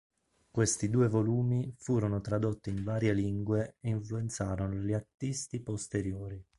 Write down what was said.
Questi due volumi furono tradotti in varie lingue e influenzarono gli artisti posteriori.